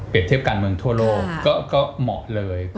เทียบการเมืองทั่วโลกก็เหมาะเลย